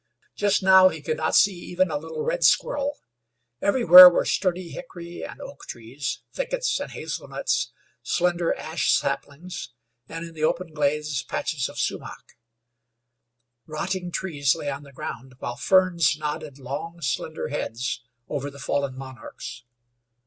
Just now he could not see even a little red squirrel. Everywhere were sturdy hickory and oak trees, thickets and hazelnuts, slender ash saplings, and, in the open glades, patches of sumach. Rotting trees lay on the ground, while ferns nodded long, slender heads over the fallen monarchs.